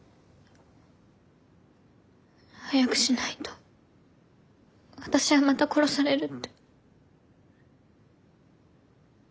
早くしないと私はまた殺されるって。